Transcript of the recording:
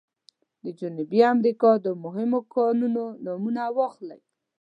د جنوبي امریکا د مهمو کانونو نومونه واخلئ.